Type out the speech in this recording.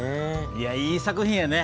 いやいい作品やね。